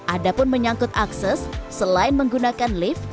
adapun menyangkut akses selain menggunakan lift